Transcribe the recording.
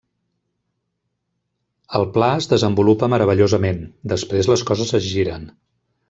El pla es desenvolupa meravellosament; després les coses es giren.